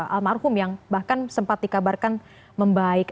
almarhum yang bahkan sempat dikabarkan membaik